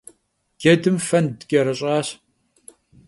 Cedım fend ç'erış'aş.